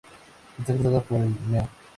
Está cruzada por el Meu.